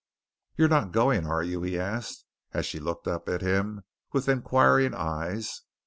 "You're not going, are you?" he asked, as she looked up at him with inquiring eyes.